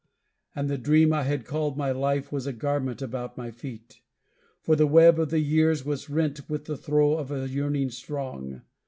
And the dream I had called my life was a garment about my feet, For the web of the years was rent with the throe of a yearning strong.